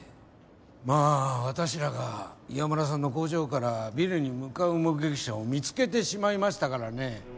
まあ私らが岩村さんの工場からビルに向かう目撃者を見つけてしまいましたからね